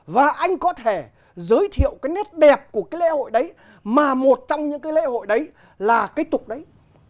và anh có thể giới thiệu cái nét đẹp của cái lễ hội đấy mà một trong những cái lễ hội đấy là cái tục đấy